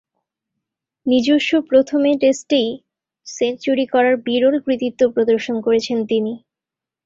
নিজস্ব প্রথমে টেস্টেই সেঞ্চুরি করার বিরল কৃতিত্ব প্রদর্শন করেছেন তিনি।